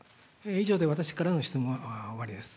以上で私からの質問は終わりです。